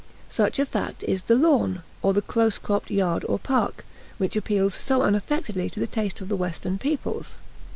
Such a fact is the lawn, or the close cropped yard or park, which appeals so unaffectedly to the taste of the Western peoples.